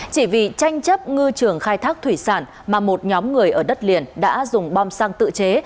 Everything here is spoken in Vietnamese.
chỉ vì tranh chấp ngư trường khai thác thủy sản mà một nhóm người ở đất liền đã dùng bom xăng tự chế